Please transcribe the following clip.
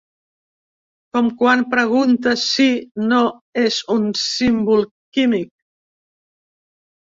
Com quan pregunta si "No" és un símbol químic.